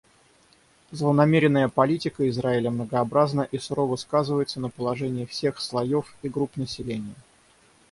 Злонамеренная политика Израиля многообразна и сурово сказывается на положении всех слоев и групп населения.